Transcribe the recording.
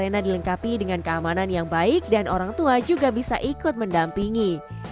arena dilengkapi dengan keamanan yang baik dan orang tua juga bisa ikut mendampingi